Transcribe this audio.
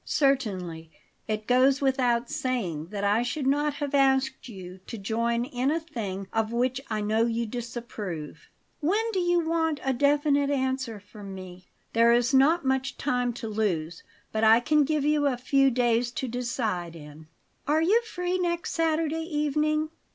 "Certainly. It goes without saying that I should not have asked you to join in a thing of which I know you disapprove." "When do you want a definite answer from me?" "There is not much time to lose; but I can give you a few days to decide in." "Are you free next Saturday evening?"